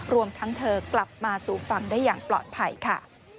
รวมทั้งเธอกลับมาสู่ฝั่งได้อย่างปลอดภัยค่ะ